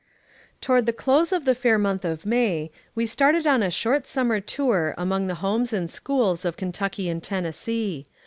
Toward the close of the fair month of May, we started on a short summer t(}ur among the homes and schools of Kentucky and Tennessee.